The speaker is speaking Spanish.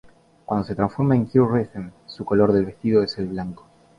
Cuando se transforma en Cure Rhythm su color del vestido es el blanco.